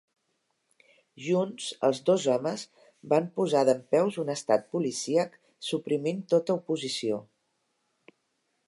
Junts, els dos homes van posar dempeus un estat policíac suprimint tota oposició.